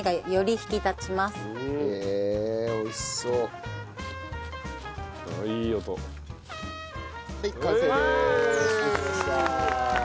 できました。